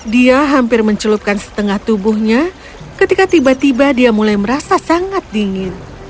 dia hampir mencelupkan setengah tubuhnya ketika tiba tiba dia mulai merasa sangat dingin